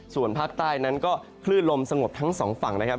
ส่วนภาคใต้นั้นก็คลื่นลมสงบทั้งสองฝั่งนะครับ